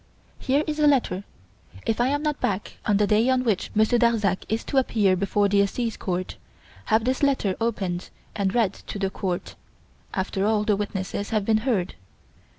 Here is a letter. If I am not back on the day on which Monsieur Darzac is to appear before the Assize Court, have this letter opened and read to the court, after all the witnesses have been heard.